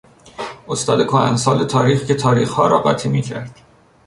استاد کهنسال تاریخ که تاریخها را قاتی میکرد